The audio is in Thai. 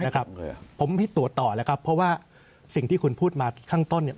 นะครับผมให้ตรวจต่อแล้วครับเพราะว่าสิ่งที่คุณพูดมาข้างต้นเนี่ย